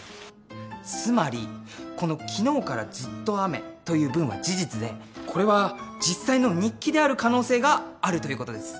つまりこの「きのうからずっと雨」という文は事実でこれは実際の日記である可能性があるということです。